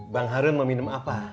bang harun mau minum apa